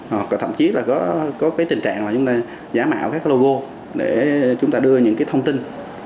hoặc là thậm chí là có cái tình trạng là chúng ta giả mạo các logo để chúng ta đưa những cái thông tin